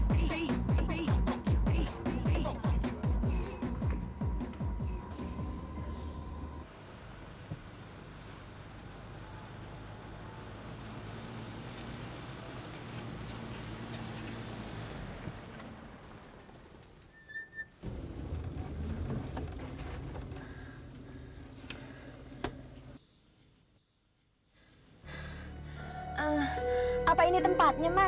saya bisa berhenti disini